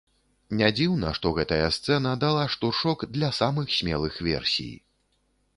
Не дзіўна, што гэтая сцэна дала штуршок для самых смелых версій.